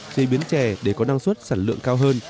chế biến chè để có năng suất sản lượng cao hơn